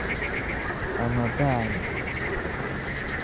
A ma baa ni?